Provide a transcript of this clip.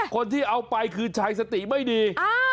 คนที่เอาไปคือชายสติไม่ดี